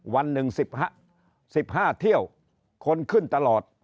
วันหนึ่ง๑๕เที่ยวคนขึ้นตลอด